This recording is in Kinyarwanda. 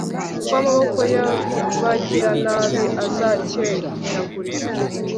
kuko amaboko y'abagiranabi azakenyagurika